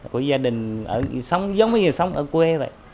của gia đình giống như sống ở quê vậy